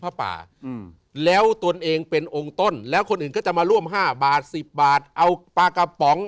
ผ้าป่าอืมแล้วตนเองเป็นองค์ต้นแล้วคนอื่นก็จะมาร่วมห้าบาทสิบบาทเอาปลากระป๋อง